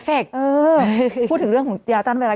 เออพูดถึงเรื่องของยาต้านไวรัส